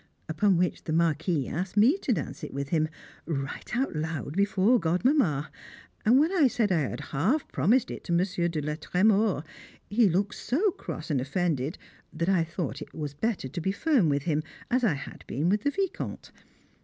Upon which the Marquis asked me to dance it with him right out loud before Godmamma! and when I said I had half promised it to Monsieur de la Trémors, he looked so cross and offended, that I thought it was better to be firm with him, as I had been with the Vicomte.